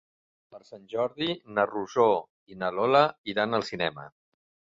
Per Sant Jordi na Rosó i na Lola iran al cinema.